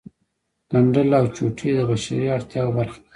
ګنډل او چوټې د بشري اړتیاوو برخه ده